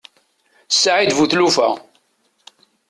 Saεid bu tlufa.